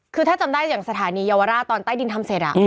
คือถ้าจำได้อย่างสถานีเยาวราชตอนใต้ดินทำเสร็จ